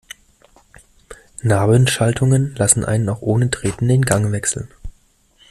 Nabenschaltungen lassen einen auch ohne Treten den Gang wechseln.